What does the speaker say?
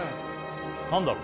何だろう